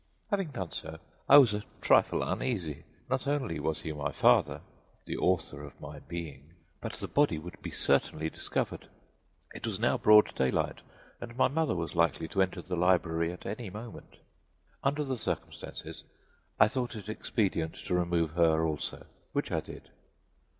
Having done so, I was a trifle uneasy. Not only was he my father the author of my being but the body would be certainly discovered. It was now broad daylight and my mother was likely to enter the library at any moment. Under the circumstances, I thought it expedient to remove her also, which I did.